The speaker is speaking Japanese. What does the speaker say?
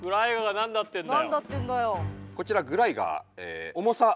なんだってんだよ。